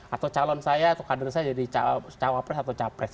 atau calon saya atau kader saya jadi cawapres atau capres